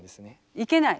いけない？